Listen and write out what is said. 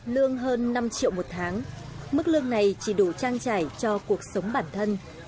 lương hơn năm triệu một tháng mức lương này chỉ đủ trang trải cho cuộc sống bản thân